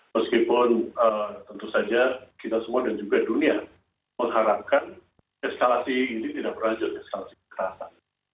meskipun tentu saja kita semua dan juga dunia mengharapkan eskalasi ini tidak berlanjut eskalasi kekerasan